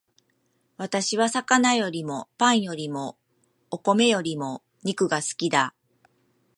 私は魚よりもパンよりもお米よりも肉が好きだ